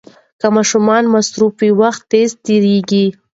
که ماشومان مصروف وي، وخت تېز تېریږي.